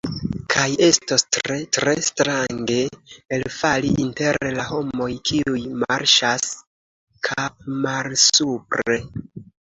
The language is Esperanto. Kaj estos tre, tre strange elfali inter la homoj kiuj marŝas kapmalsupre!